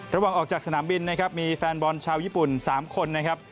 ระหว่างออกจากสนามบินนะครับมีแฟนบอลชาวญี่ปุ่น๓คนนะครับ